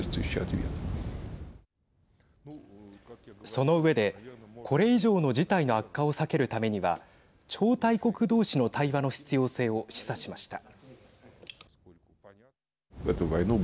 その上で、これ以上の事態の悪化を避けるためには超大国同士の対話の必要性を示唆しました。